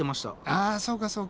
あそうかそうか。